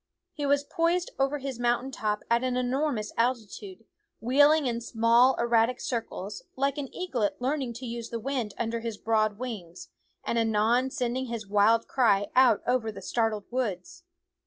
He was poised over his mountain top at an enormous altitude, wheeling in small erratic circles, like an eaglet learning to use the wind under his broad wings, and anon sending his wild cry out over the startled woods.